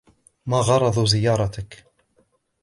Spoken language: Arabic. ما غرض زيارتك ؟